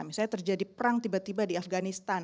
misalnya terjadi perang tiba tiba di afganistan